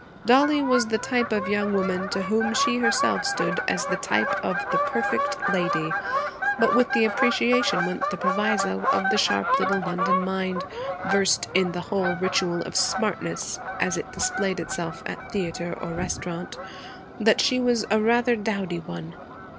Dollie was the type of young woman to whom she herself stood as the type of the 'perfect lady'; but with the appreciation went the proviso of the sharp little London mind, versed in the whole ritual of smartness as it displayed itself at theatre or restaurant, that she was a rather dowdy one.